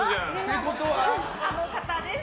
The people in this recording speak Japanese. あの方です。